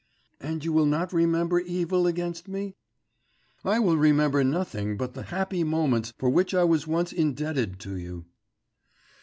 'And you will not remember evil against me?' 'I will remember nothing but the happy moments for which I was once indebted to you.